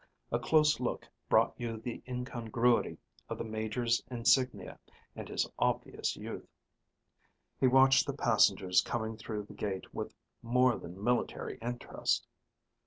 A close look brought you the incongruity of the major's insignia and his obvious youth. He watched the passengers coming through the gate with more than military interest.